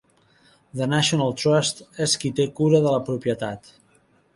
The National Trust és qui té cura de la propietat.